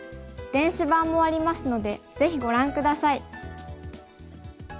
電子版もありますのでぜひご覧下さい。